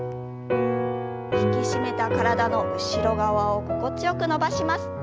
引き締めた体の後ろ側を心地よく伸ばします。